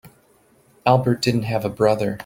Albert didn't have a brother.